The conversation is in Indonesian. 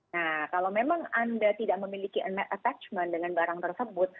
nah kalau memang anda tidak memiliki attachment dengan barang tersebut